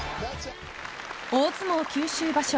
大相撲九州場所